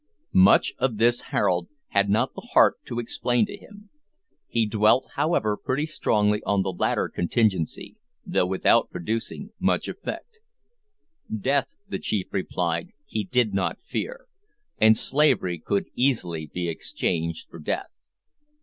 Much of this Harold had not the heart to explain to him. He dwelt, however, pretty strongly on the latter contingency, though without producing much effect. Death, the chief replied, he did not fear, and slavery could easily be exchanged for death.